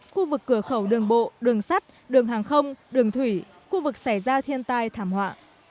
khu vực cửa khẩu đường bộ đường sắt đường hàng không đường thủy khu vực xảy ra thiên tai thảm họa